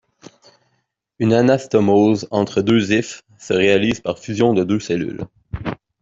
Une anastomose entre deux hyphes se réalise par fusion de deux cellules.